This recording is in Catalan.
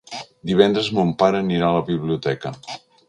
Divendres mon pare anirà a la biblioteca.